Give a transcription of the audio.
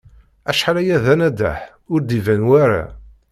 Acḥal aya d anaḍeḥ, ur d-iban wara.